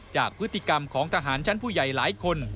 จากพฤติกรรมของทหารชั้นผู้ใหญ่หลายคน